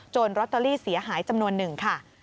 ลอตเตอรี่เสียหายจำนวนหนึ่งค่ะ